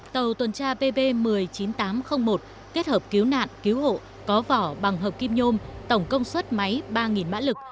tàu tuần tra pv một mươi chín nghìn tám trăm linh một kết hợp cứu nạn cứu hộ có vỏ bằng hợp kim nhôm tổng công suất máy ba mã lực